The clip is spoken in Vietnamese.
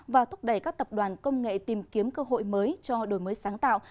và thúc đẩy các tập đoàn công nghệ tìm kiếm cơ hội mới cho đổi mới sáng tạo